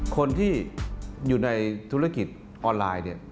คนที่อยู่ในธุรกิจออนไลน์